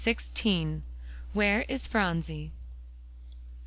XVI WHERE IS PHRONSIE?